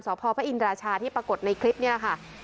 ศพบริษัทอินตราชาที่ปรากฏในคลิปนี้นะคะ